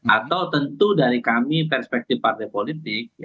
atau tentu dari kami perspektif partai politik